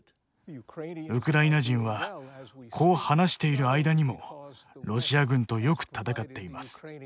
ウクライナ人はこう話している間にもロシア軍とよく戦っています。